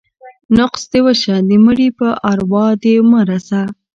ـ نقص دې وشه ، د مړي په اروا دې مه رسه.